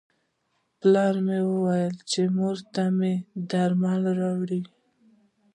پلار ته مې وایه چې مور ته مې درمل راوړي.